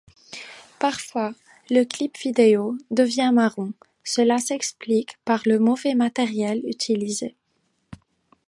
Parfois, le clip vidéo devient marron, cela s'explique par le mauvais matériel utilisé.